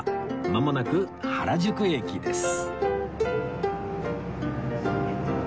まもなく原宿駅です